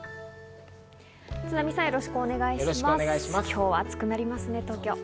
今日は暑くなりますね、東京。